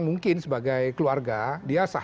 mungkin sebagai keluarga dia sah